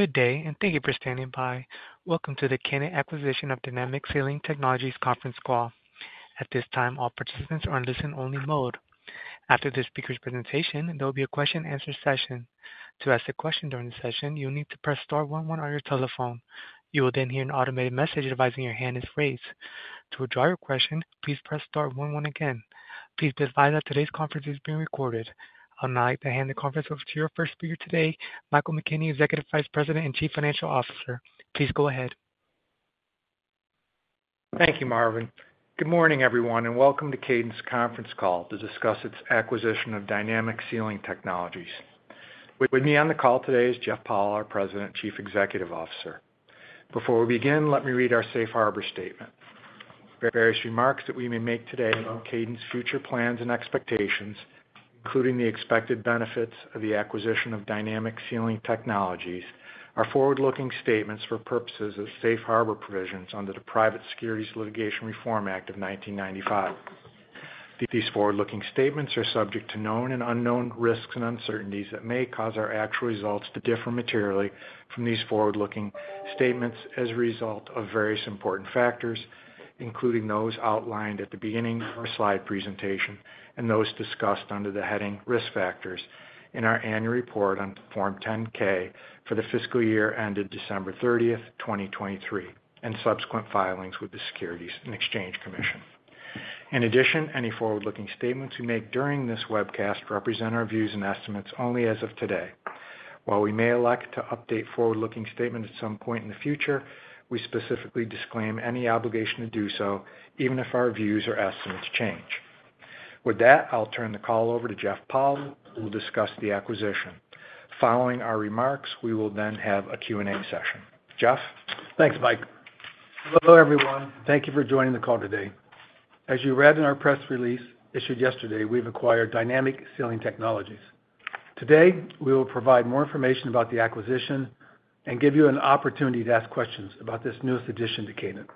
Good day, and thank you for standing by. Welcome to the Kadant Acquisition of Dynamic Sealing Technologies Conference Call. At this time, all participants are in listen-only mode. After the speaker's presentation, there will be a question-and-answer session. To ask a question during the session, you'll need to press star one one on your telephone. You will then hear an automated message advising your hand is raised. To withdraw your question, please press star one one again. Please be advised that today's conference is being recorded. I'd now like to hand the conference over to your first speaker today, Michael McKenney, Executive Vice President and Chief Financial Officer. Please go ahead. Thank you, Marvin. Good morning, everyone, and welcome to Kadant's Conference Call to discuss its acquisition of Dynamic Sealing Technologies. With me on the call today is Jeff Powell, our President and Chief Executive Officer. Before we begin, let me read our safe harbor statement. Various remarks that we may make today about Kadant's future plans and expectations, including the expected benefits of the acquisition of Dynamic Sealing Technologies, are forward-looking statements for purposes of safe harbor provisions under the Private Securities Litigation Reform Act of 1995. These forward-looking statements are subject to known and unknown risks and uncertainties that may cause our actual results to differ materially from these forward-looking statements as a result of various important factors, including those outlined at the beginning of our slide presentation and those discussed under the heading Risk Factors in our annual report on Form 10-K for the fiscal year ended December 30, 2023, and subsequent filings with the Securities and Exchange Commission. In addition, any forward-looking statements we make during this webcast represent our views and estimates only as of today. While we may elect to update forward-looking statements at some point in the future, we specifically disclaim any obligation to do so, even if our views or estimates change. With that, I'll turn the call over to Jeff Powell, who will discuss the acquisition. Following our remarks, we will then have a Q&A session. Jeff? Thanks, Mike. Hello, everyone. Thank you for joining the call today. As you read in our press release issued yesterday, we've acquired Dynamic Sealing Technologies. Today, we will provide more information about the acquisition and give you an opportunity to ask questions about this newest addition to Kadant.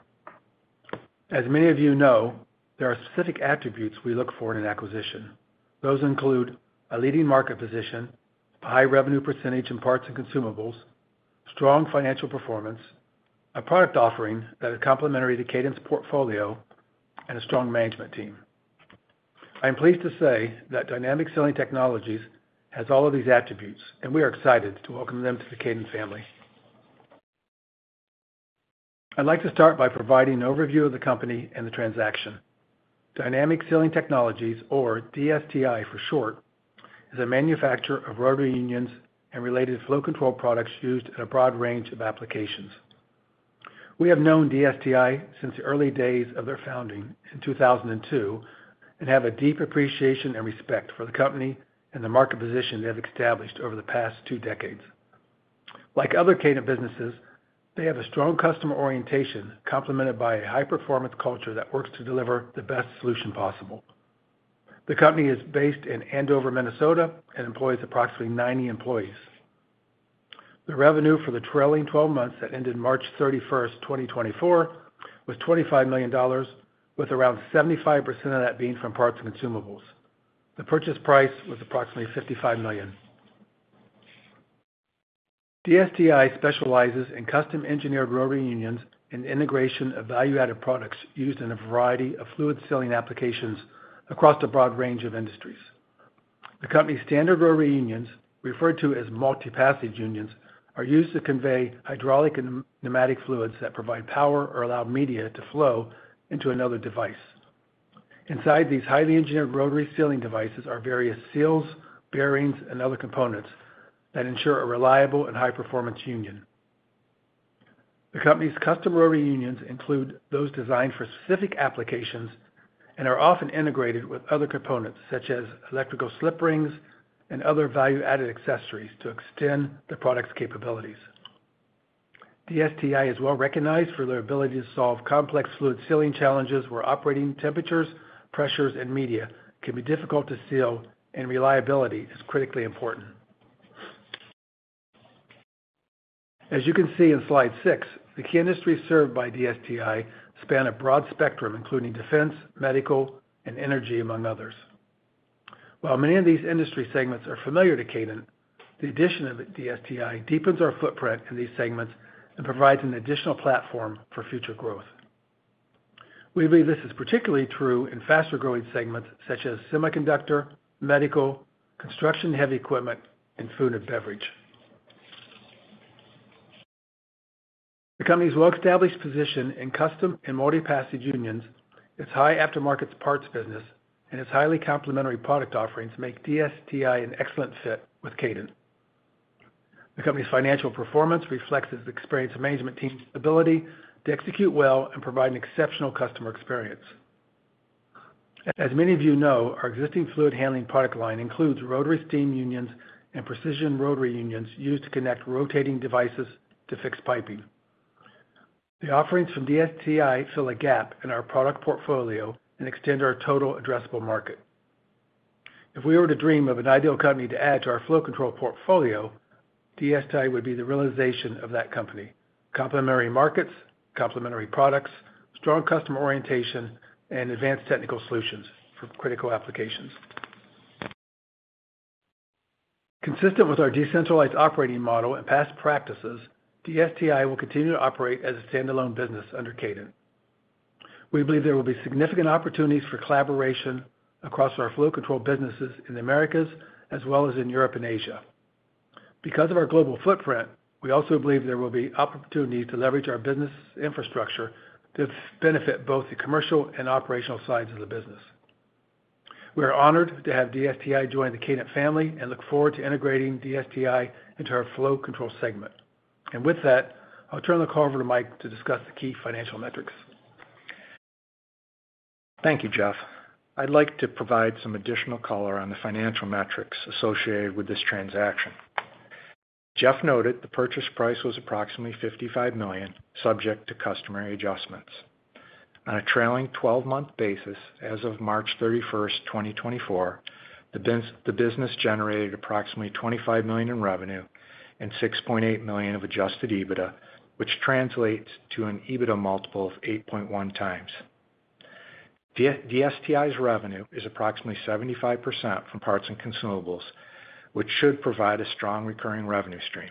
As many of you know, there are specific attributes we look for in an acquisition. Those include a leading market position, a high revenue percentage in parts and consumables, strong financial performance, a product offering that is complementary to Kadant's portfolio, and a strong management team. I'm pleased to say that Dynamic Sealing Technologies has all of these attributes, and we are excited to welcome them to the Kadant family. I'd like to start by providing an overview of the company and the transaction. Dynamic Sealing Technologies, or DSTI for short, is a manufacturer of rotary unions and related flow control products used in a broad range of applications. We have known DSTI since the early days of their founding in 2002 and have a deep appreciation and respect for the company and the market position they have established over the past two decades. Like other Kadant businesses, they have a strong customer orientation, complemented by a high-performance culture that works to deliver the best solution possible. The company is based in Andover, Minnesota, and employs approximately 90 employees. The revenue for the trailing twelve months that ended March 31st, 2024, was $25 million, with around 75% of that being from parts and consumables. The purchase price was approximately $55 million. DSTI specializes in custom-engineered rotary unions and integration of value-added products used in a variety of fluid sealing applications across a broad range of industries. The company's standard rotary unions, referred to as multi-passage unions, are used to convey hydraulic and pneumatic fluids that provide power or allow media to flow into another device. Inside these highly engineered rotary sealing devices are various seals, bearings, and other components that ensure a reliable and high-performance union. The company's custom rotary unions include those designed for specific applications and are often integrated with other components, such as electrical slip rings and other value-added accessories to extend the product's capabilities. DSTI is well recognized for their ability to solve complex fluid sealing challenges, where operating temperatures, pressures, and media can be difficult to seal and reliability is critically important. As you can see in slide 6, the key industries served by DSTI span a broad spectrum, including defense, medical, and energy, among others. While many of these industry segments are familiar to Kadant, the addition of DSTI deepens our footprint in these segments and provides an additional platform for future growth. We believe this is particularly true in faster-growing segments such as semiconductor, medical, construction, heavy equipment, and food and beverage. The company's well-established position in custom and multi-passage unions, its high aftermarket parts business, and its highly complementary product offerings make DSTI an excellent fit with Kadant. The company's financial performance reflects its experienced management team's ability to execute well and provide an exceptional customer experience. As many of you know, our existing fluid handling product line includes rotary steam unions and precision rotary unions used to connect rotating devices to fixed piping. The offerings from DSTI fill a gap in our product portfolio and extend our total addressable market. If we were to dream of an ideal company to add to our flow control portfolio, DSTI would be the realization of that company: complementary markets, complementary products, strong customer orientation, and advanced technical solutions for critical applications. Consistent with our decentralized operating model and past practices, DSTI will continue to operate as a standalone business under Kadant. We believe there will be significant opportunities for collaboration across our flow control businesses in the Americas, as well as in Europe and Asia. Because of our global footprint, we also believe there will be opportunity to leverage our business infrastructure to benefit both the commercial and operational sides of the business. We are honored to have DSTI join the Kadant family and look forward to integrating DSTI into our flow control segment. With that, I'll turn the call over to Mike to discuss the key financial metrics. Thank you, Jeff. I'd like to provide some additional color on the financial metrics associated with this transaction. Jeff noted the purchase price was approximately $55 million, subject to customary adjustments. On a trailing twelve-month basis, as of March 31st, 2024, the business generated approximately $25 million in revenue and $6.8 million of adjusted EBITDA, which translates to an EBITDA multiple of 8.1x. DSTI's revenue is approximately 75% from parts and consumables, which should provide a strong recurring revenue stream.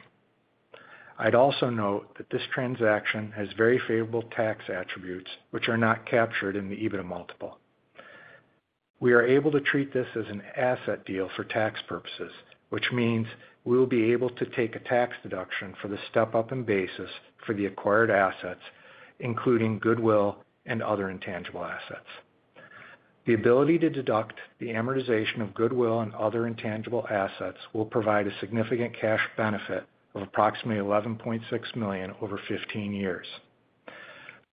I'd also note that this transaction has very favorable tax attributes, which are not captured in the EBITDA multiple. We are able to treat this as an asset deal for tax purposes, which means we'll be able to take a tax deduction for the step-up in basis for the acquired assets, including goodwill and other intangible assets. The ability to deduct the amortization of goodwill and other intangible assets will provide a significant cash benefit of approximately $11.6 million over 15 years.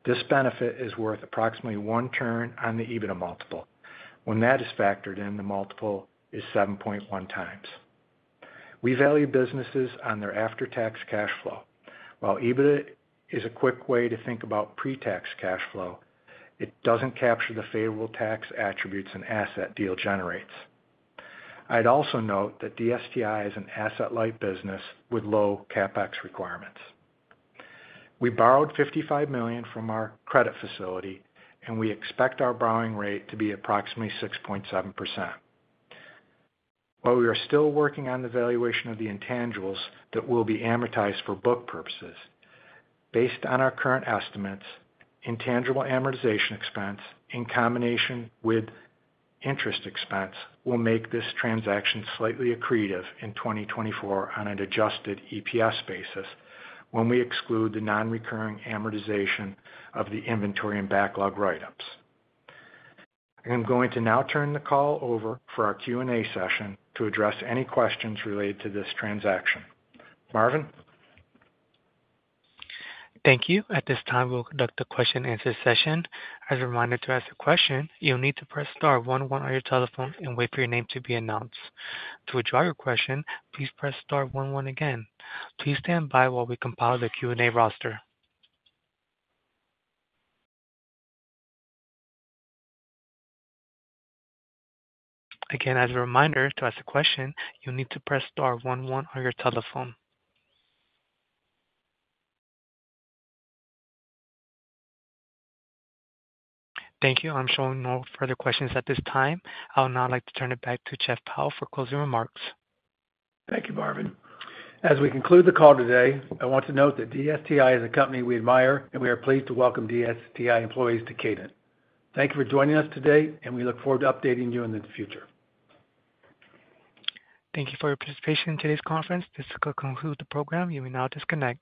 This benefit is worth approximately 1 turn on the EBITDA multiple. When that is factored in the multiple is 7.1x. We value businesses on their after-tax cash flow. While EBITDA is a quick way to think about pre-tax cash flow, it doesn't capture the favorable tax attributes an asset deal generates. I'd also note that DSTI is an asset-light business with low CapEx requirements. We borrowed $55 million from our credit facility, and we expect our borrowing rate to be approximately 6.7%. While we are still working on the valuation of the intangibles that will be amortized for book purposes, based on our current estimates, intangible amortization expense, in combination with interest expense, will make this transaction slightly accretive in 2024 on an adjusted EPS basis when we exclude the non-recurring amortization of the inventory and backlog write-ups. I'm going to now turn the call over for our Q&A session to address any questions related to this transaction. Marvin? Thank you. At this time, we'll conduct a question-and-answer session. As a reminder, to ask a question, you'll need to press star one one on your telephone and wait for your name to be announced. To withdraw your question, please press star one one again. Please stand by while we compile the Q&A roster. Again, as a reminder, to ask a question, you'll need to press star one one on your telephone. Thank you. I'm showing no further questions at this time. I would now like to turn it back to Jeff Powell for closing remarks. Thank you, Marvin. As we conclude the call today, I want to note that DSTI is a company we admire, and we are pleased to welcome DSTI employees to Kadant. Thank you for joining us today, and we look forward to updating you in the future. Thank you for your participation in today's conference. This concludes the program. You may now disconnect.